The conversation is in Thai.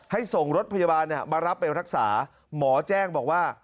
ส่งรถพยาบาลมารับไปรักษาหมอแจ้งบอกว่า